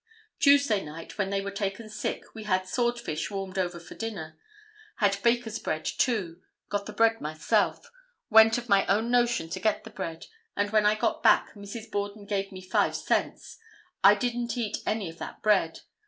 "Tuesday night, when they were taken sick, we had swordfish warmed over for dinner. Had baker's bread, too. Got the bread myself. Went of my own notion to get the bread, and when I got back Mrs. Borden gave me five cents. I didn't eat any of that bread.